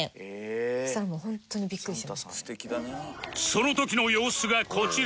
その時の様子がこちら